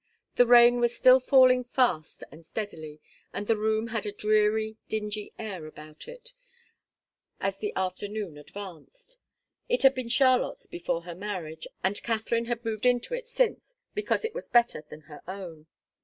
The rain was still falling fast and steadily; and the room had a dreary, dingy air about it as the afternoon advanced. It had been Charlotte's before her marriage, and Katharine had moved into it since because it was better than her own.